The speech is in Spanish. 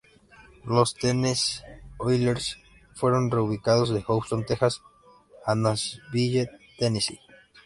Los Tennessee Oilers fueron reubicados de Houston, Texas a Nashville, Tennessee.